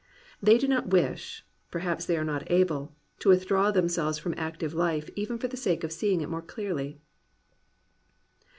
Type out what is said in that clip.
They do not wish, perhaps they are not able, to withdraw them selves from active life even for the sake of seeing it more clearly.